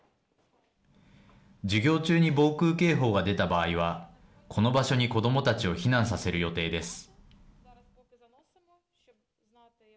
授業中に防空警報が出た場合はこの場所に子どもたちを避難させる予定です。